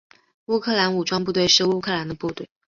乌克兰武装部队是乌克兰的军队。